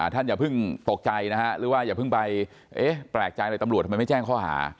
อย่าเพิ่งตกใจนะฮะหรือว่าอย่าเพิ่งไปแปลกใจเลยตำรวจทำไมไม่แจ้งข้อหา